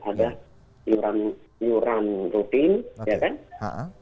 ada yuran rutin